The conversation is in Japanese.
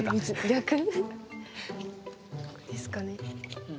逆？ですかね。